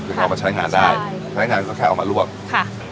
คือเอามาใช้งานได้ใช่ใช้งานก็แค่เอามาร่วมค่ะ